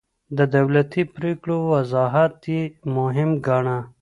د دولتي پرېکړو وضاحت يې مهم ګاڼه.